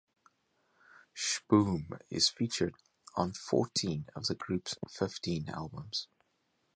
Sh-Boom is featured on fourteen of the group's fifteen albums.